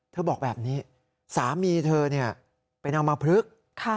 เธอบอกแบบนี้สามีเธอไปนำมาพลึก